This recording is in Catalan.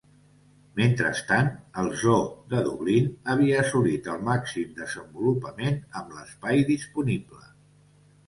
Mentrestant, el zoo de Dublin havia assolit el màxim desenvolupament amb l'espai disponible.